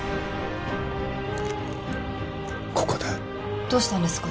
ここだどうしたんですか？